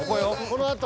［このあと］